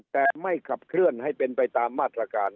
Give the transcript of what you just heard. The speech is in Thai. แต่ไม่ขับเคลื่อนให้เป็นไปตามมาตรการ